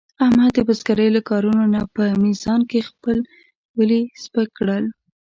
احمد د بزرګرۍ له کارونو نه په میزان کې خپل ولي سپک کړل.